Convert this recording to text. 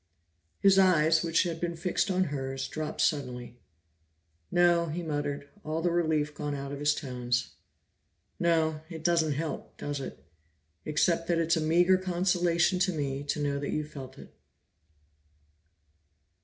His eyes, which had been fixed on hers, dropped suddenly. "No," he muttered, all the relief gone out of his tones, "no, it doesn't help, does it? Except that it's a meager consolation to me to know that you felt it."